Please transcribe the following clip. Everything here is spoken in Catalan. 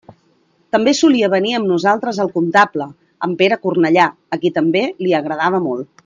També solia venir amb nosaltres el comptable, en Pere Cornellà, a qui també li agradava molt.